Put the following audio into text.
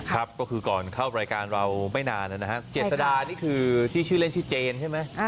ก็คือก่อนเข้ารายการเราไม่นานแล้วนะฮะเจ็ดสดานี่คือที่ชื่อเล่นชื่อเจนใช่ไหม